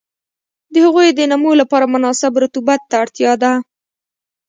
د هغوی د نمو لپاره مناسب رطوبت ته اړتیا ده.